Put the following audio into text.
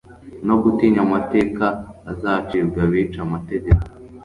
no gutinya amateka azacibwa abica amategeko